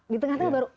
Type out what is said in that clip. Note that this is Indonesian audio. di tengah tengah baru